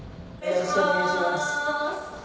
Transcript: よろしくお願いします。